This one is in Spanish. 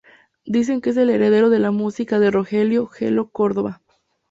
Dicen que es el heredero de la música de Rogelio "Gelo" Córdoba.